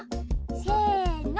せの！